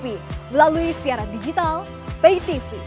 melalui siaran digital pay tv